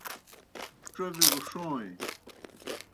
ڇوبِیو گہ ݜوئیں۔